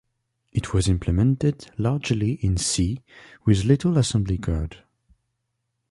It was implemented largely in C with little assembly code.